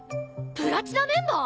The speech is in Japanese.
プラチナメンバー！？